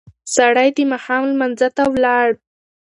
سړی د ماښام لمانځه ته ولاړ.